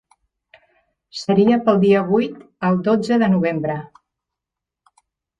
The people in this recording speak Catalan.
Seria pel dia vuit al dotze de novembre.